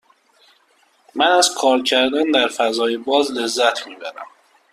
من از کار کردن در فضای باز لذت می برم.